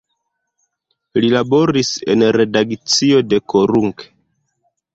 Li laboris en redakcio de "Korunk".